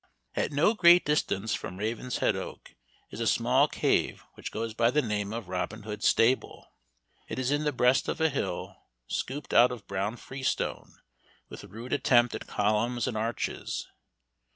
At no great distance from Ravenshead Oak is a small cave which goes by the name of Robin Hood's stable. It is in the breast of a hill, scooped out of brown freestone, with rude attempt at columns and arches.